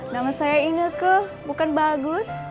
nama saya ineke bukan bagus